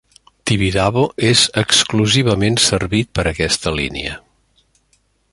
Tibidabo és exclusivament servit per aquesta línia.